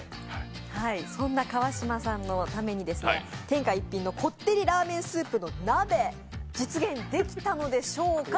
そんな川島さんのために天下一品こってりラーメンスープの鍋実現できたのでしょうか？